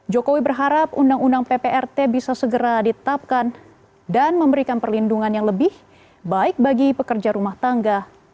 jokowi berharap undang undang pprt bisa segera ditetapkan dan memberikan perlindungan yang lebih baik bagi pekerja rumah tangga